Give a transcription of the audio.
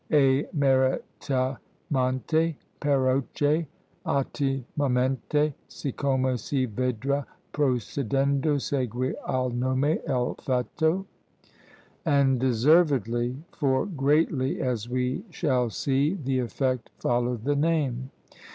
e meritamente_; perocché ottimamente, siccome si vedra procedendo, segui al nome l'effetto: "and deservedly! for greatly, as we shall see, the effect followed the name!"